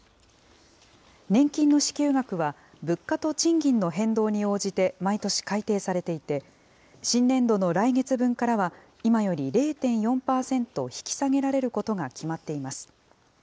年金の支給額は、物価と賃金の変動に応じて毎年改定されていて、新年度の来月分からは、今より０．４％引き下げられることが決まっています。